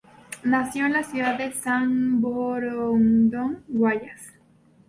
Nació en la ciudad de Samborondón, Guayas.